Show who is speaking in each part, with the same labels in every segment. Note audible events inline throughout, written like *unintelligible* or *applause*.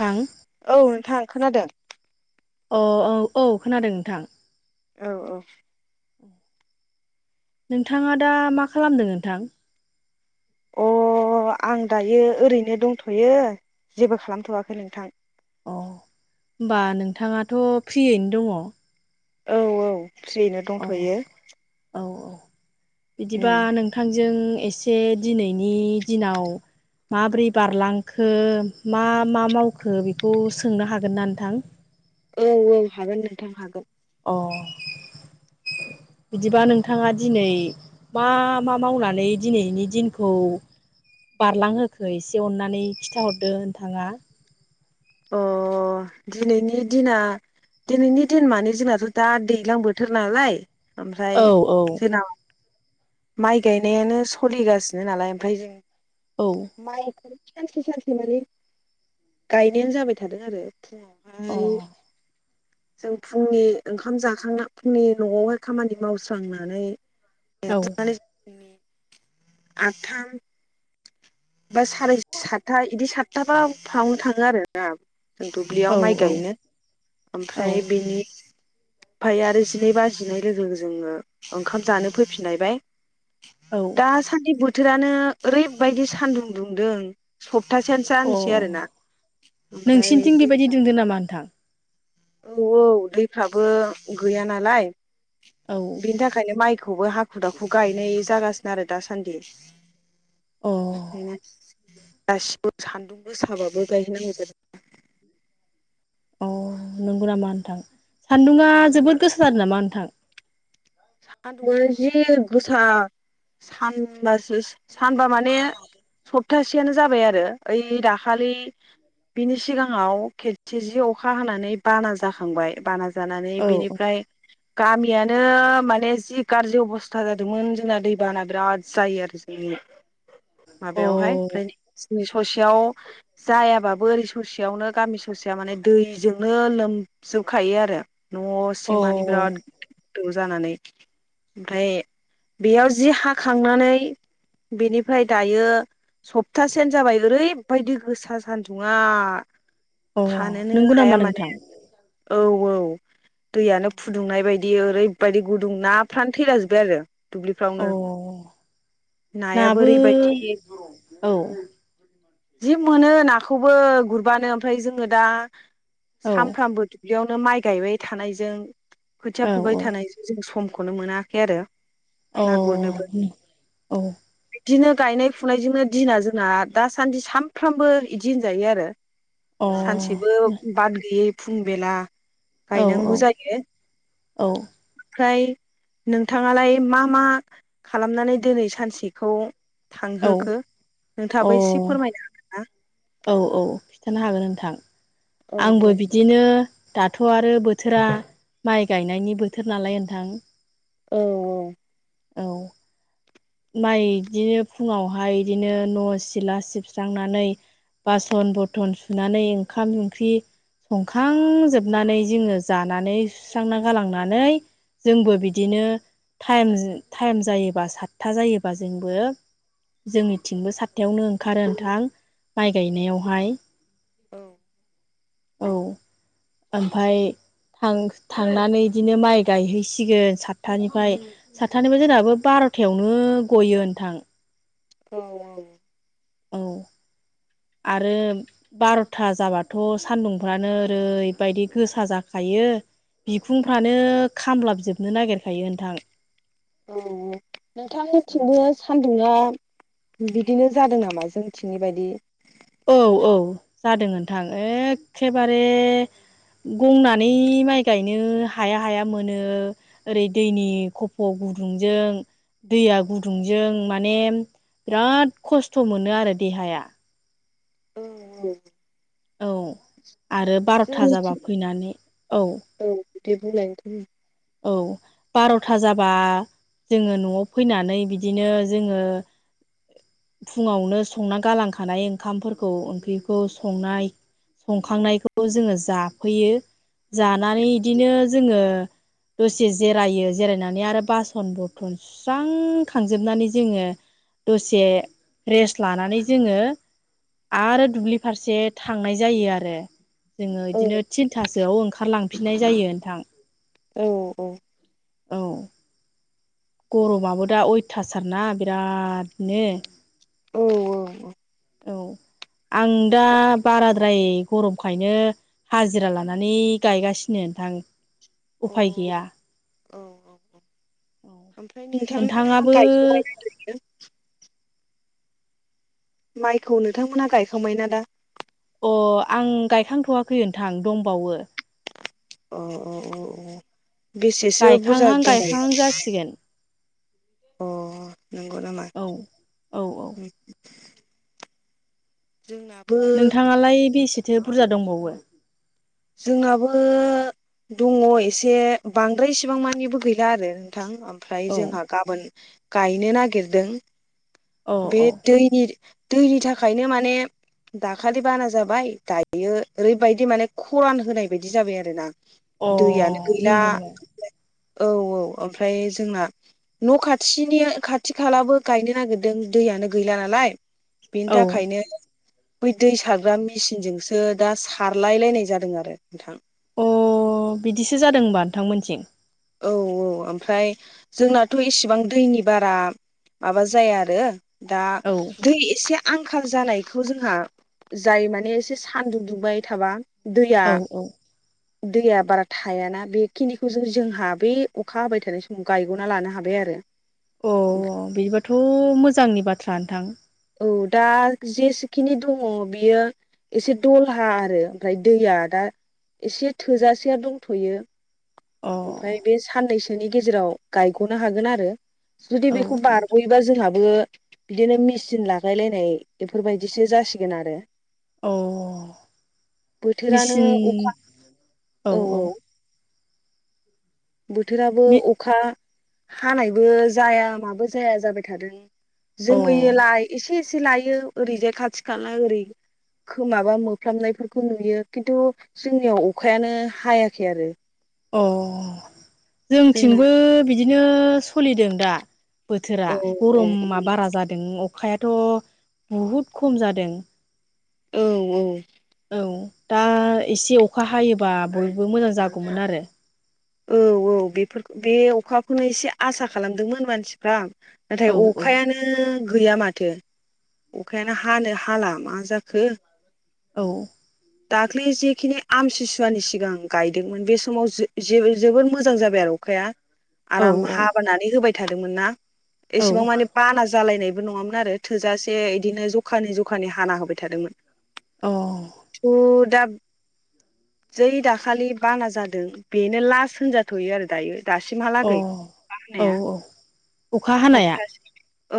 Speaker 1: ह
Speaker 2: औ नोंथां खोनादों?
Speaker 1: अ औ औ खोनादों नोंथां।
Speaker 2: औ औ
Speaker 1: *inaudible* नोंथाङा दा मा खालामदों नोंथां?
Speaker 2: अ आं दायो ओरैनो दंथ'यो जेबो खालामथ'वाखै नोंथां।
Speaker 1: अ होनोमबा नोंथाङाथ' फ्रियैनो दङ।
Speaker 2: औ औ फ्रियैनो
Speaker 1: अ औ
Speaker 2: दंथ'यो।
Speaker 1: औ बिदिबा
Speaker 2: उम
Speaker 1: नोंथांजों एसे दिनैनि दिनाव माबोरै बारलांखो मा मा मावखो बेखौ सोंनो हागोन ना नोंथां?
Speaker 2: औ औ हागोन नोंथां हागोन।
Speaker 1: अ *inaudible* बिदिबा नोंथाङा दिनै मा मा मावनानै दिनैनि दिनखौ बारलांहोखो एसे अननानै खिथाहरदो नोंथाङा।
Speaker 2: अ अ दिनैनि दिना दिनैनि दिन माने जोंनाथ' दा दैज्लां बोथोर नालाय ओमफ्राय
Speaker 1: औ औ
Speaker 2: *unintelligible* माइ गायनायानो सोलिगासिनो नालाय ओमफ्राय जों माइ सानसे सानसे माने गायनायानो जाबाय थादों आरो। फुङावहाय
Speaker 1: अ
Speaker 2: जों फुंनि ओंखाम जाखांना फुंनि न'आवहाय खामानि मावस्रांनानै
Speaker 1: औ
Speaker 2: *inaudible* आदथा बा साराय सातथा बिदि सातथााबा फावनो थाङो आरो ना।
Speaker 1: औ
Speaker 2: दुब्लियाव माइ
Speaker 1: औ
Speaker 2: गायनो।
Speaker 1: औ
Speaker 2: ओमफ्राय बेनि ओमफाय आरो जिनै बा जिनै लोगो लोगो जोङो ओंखाम जानो फैफिनलायबाय‌।
Speaker 1: औ
Speaker 2: दासान्दि बोथोरानो ओरैबायदि सान्दुं दुंदों साब थासेयानो
Speaker 1: अ
Speaker 2: जानसै आरोना ओमफ्राय
Speaker 1: नोंसिनिथिं
Speaker 2: दै
Speaker 1: बेबायदि दुंदों नामा नोंथां?
Speaker 2: औ औ दैफ्राबो गैया नालाय
Speaker 1: औ
Speaker 2: *inaudible* बिनि थाखायनो माइ खौबो हाखु दाखु गायनाय जागासिनो आरो दासान्दि
Speaker 1: अ
Speaker 2: *unintelligible* गासिबो सान्दुं गोसाबाबो गायहैनांगोन।
Speaker 1: अ नंगौ नामा नोंथां? सान्दुङा जोबोद गोसाजादों नामा नोंथां?
Speaker 2: सान्दुङानो जि गोसा सानबासो सानबा माने सप्तासेयानो जाबाय आरो ओइ दाखालि बिनि सिगाङाव खेथि जि अखा हानानै बाना जाखांबाय बाना जानानै
Speaker 1: औ
Speaker 2: बिनिफ्राय गामियानो माने जि गाज्रि अबस्था जादोंमोन जोंना दैबाना बिराद जायो आरो जोंनि
Speaker 1: औ
Speaker 2: माबायावहाय ओमफाय नै ससेयाव जायाबाबो ओरै ससेयावनो गामि ससेया माने दैजोंनो लोम जोबखायो आरो न'
Speaker 1: अ
Speaker 2: सिंमानि बिराद गोदौ जानानै ओमफ्राय बेयाव जि हाखांनानै बेनिफ्राय दायो सप्तासेनो जाबाय ओरैबायदि गोसा सानदुङा।
Speaker 1: अ
Speaker 2: थानोनो
Speaker 1: नंगौ नामा
Speaker 2: हाया माने
Speaker 1: नोंथां?
Speaker 2: औ औ दैयानो फुदुंनाय बायदि ओरैबायदि गुदुं नाफ्रानो थैलाजोबबाय आरो दुब्लिफ्रावनो
Speaker 1: अ
Speaker 2: नायाबो
Speaker 1: नाबो
Speaker 2: ओरैबायदि
Speaker 1: औ
Speaker 2: जि मोनो नाखौबो गुरबानो ओमफ्राय जोङो दा
Speaker 1: औ
Speaker 2: सानफ्रामबो दुब्लियावनो माइ गायबाय थानायजों खोथिया
Speaker 1: औ
Speaker 2: फुबाय थानायजों जों समखौनो मोनाखै आरो
Speaker 1: औ
Speaker 2: ना गुरनोबो
Speaker 1: औ
Speaker 2: बिदिनो गायनाय फुनायजोंनो दिना जोंना दासान्दि सानफ्रामबो बिदि होनजायो आरो।
Speaker 1: औ
Speaker 2: सानसेबो बाद गैयै फुं बेला
Speaker 1: औ
Speaker 2: गायनांगौ जायो।
Speaker 1: औ
Speaker 2: ओमफ्राय नोंथाङालाय मा मा खालामनानै दिनै सानसेखौ
Speaker 1: अ
Speaker 2: थांहोखो नोंथाङाबो एसे फोरमायनो हागोन ना?
Speaker 1: औ औ खिथानो हागोन नोंथां
Speaker 2: औ
Speaker 1: आंबो
Speaker 2: दे
Speaker 1: बिदिनो। दाथ' आरो बोथोरा माइ गायनायनि बोथोर नालाय नोंथां
Speaker 2: औ औ
Speaker 1: औ माइ बिदिनो फुङावहाय बिदिनो न' सिला सिबस्रांनानै बासन बरथन सुनानै ओंखाम ओंख्रि संखांजोबनानै जोङो जानानै सुस्रांना गालांनानै जोंबो बिदिनो टाइम टाइम जायोबा सातथा जायोबा जोंबो जोंनिथिंबो सातथायावनो ओंखारो नोंथां माइ गायनायावहाय
Speaker 2: औ
Speaker 1: औ ओमफ्राय थांनानै बिदिनो माइ गायहैसिगोन सातथानिफ्राय सातथानिफ्राय जोंहाबो बार'था थायावनो गयो नोंथां
Speaker 2: औ औ
Speaker 1: औ आरो बार'था जाबाथ' सान्दुंफ्रानो ओरैबायदि गोसा जाखायो। खायो बिखुंफ्रानो खामलाबजोबनो नागिरखायो नोंथां।
Speaker 2: औ
Speaker 1: औ
Speaker 2: नोंथांनिथिंबो सान सान्दुंआ बिदिनो जादों नामा जोंथिंनि बायदि
Speaker 1: औ औ जादों नोंथां एखेबारे गंनानै माइ गायनो हाया हाया मोनो ओरै दैनि खफ'आव गुदुंजों दैया गुदुंजों माने बिराद खस्थ' मोनो आरो देहाया
Speaker 2: औ
Speaker 1: औ आरो बार'था जाबा फैनानै औ
Speaker 2: बिदि बुंलायनोखौ
Speaker 1: औ बार'था जाबा जोंङो न'आव फैनानै बिदिनो जोंङो फुंङावनो संना गालांखानाय ओंखामफोरखौ ओंख्रिखौ संनाय संखांनायखौ जोंङो जाफैयो जानानै बिदिनो जोंङो दसे जिरायो जिरायनानै आरो बासन बरथन सुस्रां खांजोबनानै जोंङो दसे रेस्ट लानानै जोंङो आरो दुब्लि फारसे थांनाय जायो आरो। जोंङो
Speaker 2: औ
Speaker 1: इदिनो थिनथासोआव ओंखारलांफिननाय जायो नोंथां।
Speaker 2: औ औ
Speaker 1: औ गरमाबो दा अयथासारना बिरादनो
Speaker 2: औ औ
Speaker 1: औ आं दा बाराद्राय गरमखायनो हाजिरा लानानै गायगासिनो नोंथां
Speaker 2: औ
Speaker 1: उफाय गैया।
Speaker 2: औ ओमफ्राय नोंथांमोना
Speaker 1: नोंथाङाबो
Speaker 2: थायस' बायसो माइखौ नोंथांमोना गायखांबायना दा?
Speaker 1: अ आं गायखांथ'वाखै नोंथां दंबावो।
Speaker 2: अ अ अ अ बेसेसो बुरजा
Speaker 1: गायखांहां
Speaker 2: दंबायो?
Speaker 1: गायखांहां जासिगोन
Speaker 2: अ नंगौ नामा
Speaker 1: औ औ औ
Speaker 2: उम। जोंनाबो
Speaker 1: नोंथांङालाय बेसेथो बुरजा दंबावो?
Speaker 2: जोंनाबो दंङ एसे बांद्राय इसिबां मानिबो गैला आरो नों थां ओमफ्राय
Speaker 1: औ
Speaker 2: जोंहा गाबोन गायनो नागिरदों।
Speaker 1: औ
Speaker 2: बे
Speaker 1: औ
Speaker 2: दैनि दैनि थाखायनो माने दाखालि बाना जाबाय दायो ओरैबायदि माने खरान होनाय बायदि जाबाय आरो ना।
Speaker 1: अ
Speaker 2: दैयानो गैला।
Speaker 1: नंगौ नामा
Speaker 2: औ औ ओमफ्राय जोंना न' खाथिनि खाथि खालाबो गायनो नागिर दों दैयानो गैला नालाय बेनि
Speaker 1: औ
Speaker 2: थाखायनो बै दै सारग्रा मेसिनजोंसो दा सारलाय लायनाय जादों आरो नोंथां।
Speaker 1: अ बिदिसो जादों होनबा नोंथांमोनथिं।
Speaker 2: औ औ ओमफ्राय जोंनाथ' इसिबां दैनि बारा माबा जाया आरो। दा
Speaker 1: औ
Speaker 2: दै एसे आंखाल जानायखौ जोंहा जाय माने सान्दुं दुंबाय थाबा दैया
Speaker 1: औ औ
Speaker 2: दैया बारा थायाना बेखिनिखौ जों जों हा बै अखा हाबाय थानाय समाव गायग'ना लानो हाबाय आरो।
Speaker 1: अ बिदिबाथ' मोजांनि बाथ्रा नोंथां।
Speaker 2: औ दा जेसेखिनि दंङ बेयो एसे दलहा आरो ओमफ्राय दैया दा एसे थोजासेया दंथ'यो।
Speaker 1: अ
Speaker 2: ओमफ्राय बे साननैसोनि गेजेराव गायग'नो हागोन आरो जुदि
Speaker 1: औ
Speaker 2: बेखौ
Speaker 1: औ
Speaker 2: बारग'योबा जोंहा बो बिदिनो मेचिन लागायलायनाय बेफोरबायदिसो जासिगोन आरो।
Speaker 1: अ
Speaker 2: बोथोरानो
Speaker 1: मेसिन
Speaker 2: अखा
Speaker 1: औ औ
Speaker 2: बोथोराबो
Speaker 1: मे
Speaker 2: अखा हानायबो जाया माबो जाया जाबाय थादों।
Speaker 1: अ
Speaker 2: जोमोय लाय एसे एसे लायो ओरैजाय खाथि खाला ओरै खोमाबा मोफ्लामनायफोरखौ नुयो खिन्थु जोंनियाव अखायानो हायाखै आरो।
Speaker 1: अ
Speaker 2: जोंना
Speaker 1: जोंथिंबो बिदिनो खुलिदों दा बोथोरा
Speaker 2: औ औ
Speaker 1: गरमा बारा जादों अ अखायाथ' बुहुद खम जादों।
Speaker 2: औ औ
Speaker 1: औ दा एसे अखा हायोबा बयबो मोजां जागौमोन आरो।
Speaker 2: औ औ बेफोरखौ बे अखाखौनो एसे आसा खालामदोंमोन मानसिफ्रा। नाथाय
Speaker 1: औ
Speaker 2: अखायानो गैया माथ थो अखायानो हानो हाला मा जाखो।
Speaker 1: औ
Speaker 2: दाख्लै जेखिनि आमथिसुवानि सिगां गायदोंमोन बे समाव जोबोद मोजां जाबाय आरो
Speaker 1: औ
Speaker 2: आराम हाबोनानै होबाय थादोंमोन ना
Speaker 1: औ
Speaker 2: एसेबां माने बाना जालायनाय बो नङामोन आरो थोजासे बिदिनो जखानि जखानि हाना होबाय थादोंमोन।
Speaker 1: अ।
Speaker 2: थु दाब जै दाखालि बाना जादों बेनो लास्ट होनजाथ'यो आरो दायो।
Speaker 1: अ
Speaker 2: दासिमहालागै अखा
Speaker 1: औ
Speaker 2: हानाय
Speaker 1: औ अखा हानाया
Speaker 2: हबथासे।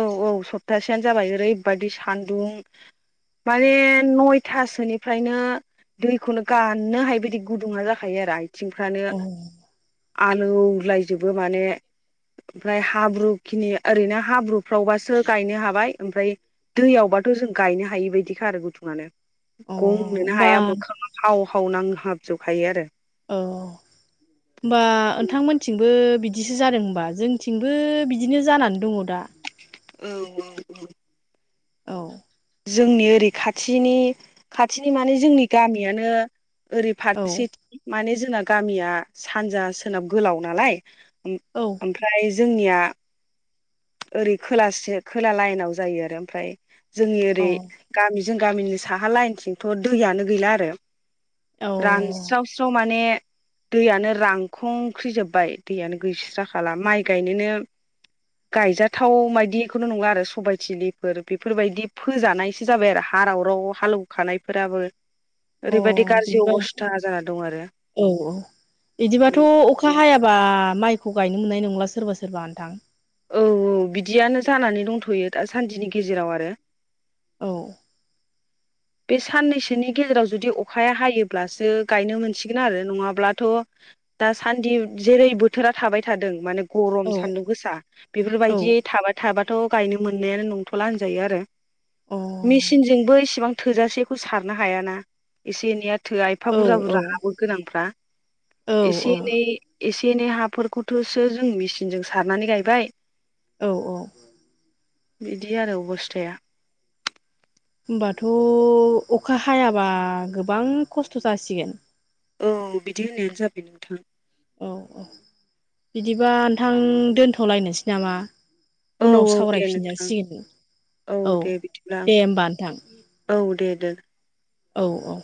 Speaker 2: औ औ सप्तासेयानो जाबाय ओरैबायदि सानदुं। माने नयथा सोनि ओमफ्रायनो दैखौनो गानो हायि बायदि गुदुङा जाखायो आरो आ थिं फ्रानो
Speaker 1: अ
Speaker 2: आलौ लायजोबो माने। ओमफ्राय हाब्रुखिनि ओरैनो हाब्रु फ्रावबासो गायनो हाबाय ओमफ्राय दैयावबाथ' जों गायनो हायि बायदिखा आरो गुदुंआनो।
Speaker 1: अ
Speaker 2: गंनोनो
Speaker 1: होमबा
Speaker 2: हाया मोखाङा हाव हाव नांहाब‌ जोबखायो आरो।
Speaker 1: औ। होमबा नोंथांमोनथिंबो बिदिसो जादों होनबा जोंथिंबो बिदिनो जानानै दङ दा।
Speaker 2: औ औ औ‌।
Speaker 1: औ।
Speaker 2: जोंनि ओरै खाथिनि खाथिनि माने जोंनि गामियानो ओरै
Speaker 1: औ
Speaker 2: फारसेथि माने जोंना गामिया सानजा सोनाब गोलाव नालाय
Speaker 1: औ
Speaker 2: ओमफ्राय जोंनिया ओरै खोलासे खोला लाइनाव जायो आरो ओमफ्राय जोंनि ओरै
Speaker 1: अ
Speaker 2: गामि जों गामिनि साहा लाइनथिंथ' दैयानो गैला आरो
Speaker 1: औ
Speaker 2: रानस्राव स्राव माने दैयानो रांखं ख्रिजोब्बाय दैयानो गैस्रा खाला माइ गायनोनो
Speaker 1: *inaudible*
Speaker 2: गायजाथाव बायदिखौनो नंङा आरो सबायथिलिफोर बेफोरबायदि फोजानायसो जाबाय आरो हारावराव हालौवखानाय फोराबो।
Speaker 1: अ
Speaker 2: ओरैबायादि गाज्रि
Speaker 1: बिदिबा
Speaker 2: अबस्था जाना दं आरो
Speaker 1: औ औ बिदिबाथ'
Speaker 2: उम
Speaker 1: अखा हायाबा माइखौ गायनो मोननाय नंला सोरबा सोरबा नोथां।
Speaker 2: औ औ बिदियानो जानानै दंथ'यो दासानदिनि गेजेराव आरो
Speaker 1: औ।
Speaker 2: बे साननैसोनि गेजेराव जुदि अखाया हायोब्लासो गायनो मोनसिगोन आरो नङाब्लाथ' दासान्दि जेरै बोथोरा थाबाय थादों माने गरम
Speaker 1: औ
Speaker 2: सान्दुं गोसा
Speaker 1: औ
Speaker 2: बेफोरबायदि‌ थाबाय थाबा थ गायनो मोननायानो नंथ'ला होनजायो आरो।
Speaker 1: अ
Speaker 2: मसिनजोंबो एसेबां थोजासेखौ सारनो हायाना एसे एनैया थो एफा
Speaker 1: औ
Speaker 2: बुरजा बुरजा
Speaker 1: औ
Speaker 2: हाबो गोनांफ्रा
Speaker 1: औ
Speaker 2: एसे एनै एसे एनै हाफोरखौथ'सो जों मेचिनजों सारनानै गायबाय
Speaker 1: औ औ।
Speaker 2: बिदि आरो अबस्थाया
Speaker 1: हबाथ' अखा हायाबा गोबां खस्थ' जासिगोन
Speaker 2: औ बिदि होननायानो जाबाय नोंथां।
Speaker 1: औ औ बिदिबा नोंथां दोनथ'लायनोसै नामा?
Speaker 2: औ
Speaker 1: उनाव
Speaker 2: औ दे
Speaker 1: सावरायफिन
Speaker 2: नोंथां
Speaker 1: जासिगोन। औ
Speaker 2: दे बिदिब्ला
Speaker 1: दे होमबा नोंथां।
Speaker 2: आं औ दे दोन
Speaker 1: औ औ।